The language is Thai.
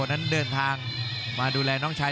นั้นเดินทางมาดูแลน้องชาย